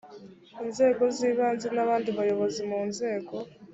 inzego z ibanze n abandi bayobozi mu nzego